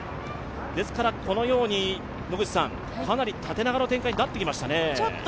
ですからこのように、かなり縦長の展開になってきましたね。